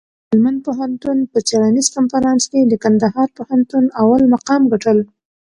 د هلمند پوهنتون په څېړنیز کنفرانس کي د کندهار پوهنتون اول مقام ګټل.